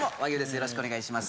よろしくお願いします